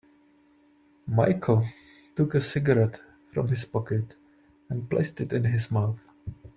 Michael took a cigarette from his pocket and placed it in his mouth.